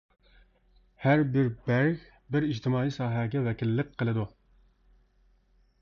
ھەربىر بەرگ بىر ئىجتىمائىي ساھەگە ۋەكىللىك قىلىدۇ.